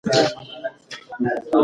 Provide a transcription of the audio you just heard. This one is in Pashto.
که کتابتون وي نو معلومات نه ختمیږي.